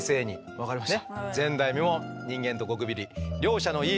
分かりました。